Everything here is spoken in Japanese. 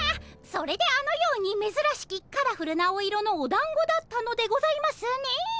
それであのようにめずらしきカラフルなお色のおだんごだったのでございますね。